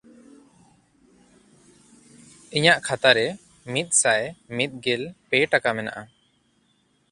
ᱤᱧᱟᱜ ᱠᱷᱟᱛᱟ ᱨᱮ ᱢᱤᱫᱥᱟᱭ ᱢᱤᱫᱜᱮᱞ ᱯᱮ ᱴᱟᱠᱟ ᱢᱮᱱᱟᱜᱼᱟ᱾